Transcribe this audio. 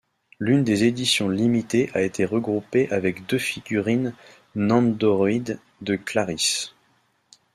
L'une des éditions limitées a été regroupée avec deux figurines Nendoroid de ClariS.